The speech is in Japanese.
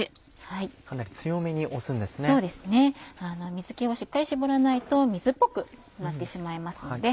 水気をしっかり絞らないと水っぽくなってしまいますので。